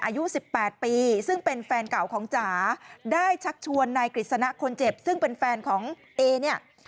อายุ๑๘ปีซึ่งเป็นแฟนเก่าของจ๋าได้ชักชวนนายกฤษณะคนเจ็บซึ่งเป็นแฟนของเอเนี่ย